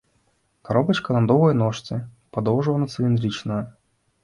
Каробачка на доўгай ножцы, падоўжана-цыліндрычная.